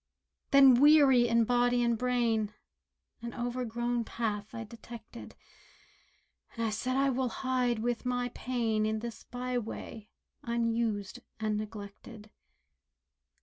Then weary in body and brain, An overgrown path I detected, And I said "I will hide with my pain In this byway, unused and neglected."